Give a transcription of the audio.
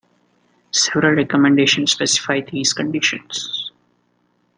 Several recommendations specify these conditions.